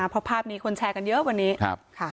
เพราะภาพนี้คนแชร์กันเยอะวันนี้ค่ะ